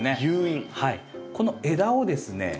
この枝をですね